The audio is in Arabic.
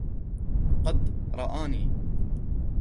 قَدْ رَآنِي